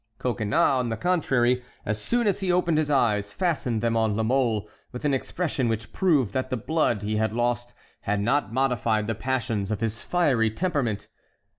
Coconnas, on the contrary, as soon as he opened his eyes, fastened them on La Mole with an expression which proved that the blood he had lost had not modified the passions of his fiery temperament.